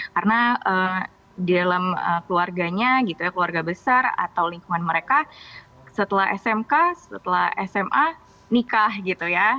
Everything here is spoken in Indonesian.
karena di dalam keluarganya gitu ya keluarga besar atau lingkungan mereka setelah smk setelah sma nikah gitu ya